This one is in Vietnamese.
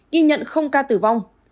ghi nhận ca tử vong